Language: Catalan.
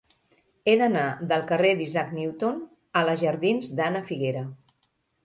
He d'anar del carrer d'Isaac Newton a la jardins d'Ana Figuera.